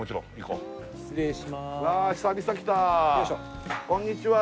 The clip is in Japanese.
こんにちは。